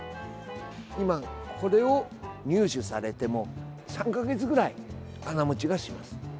今、これを入手されても３か月ぐらい花もちがします。